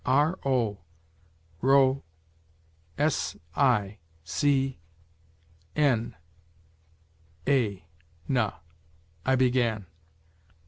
" R, o Ro; s, i si; n, a na," I began.